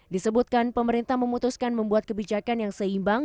disebutkan pemerintah memutuskan membuat kebijakan yang seimbang